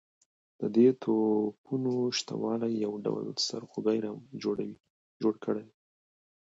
د دې توپونو شته والی یو ډول سرخوږی راته جوړ کړی وو.